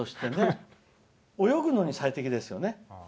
泳ぐのに最適ですよね。